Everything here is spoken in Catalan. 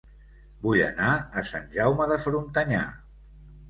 Vull anar a Sant Jaume de Frontanyà